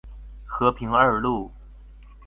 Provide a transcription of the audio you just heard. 和平二路